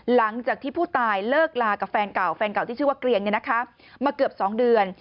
หลังจากที่ผู้ตายเลิกลากับแฟนเก่าแฟนเก่าที่ชื่อว่าเกรียงมาเกือบ๒เดือน